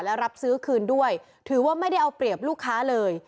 และรับซื้อคืนด้วยถือว่าไม่ได้เอาเปรียบลูกค้าเลย